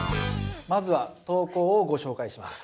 まずは投稿をご紹介します。